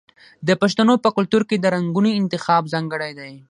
د پښتنو په کلتور کې د رنګونو انتخاب ځانګړی دی.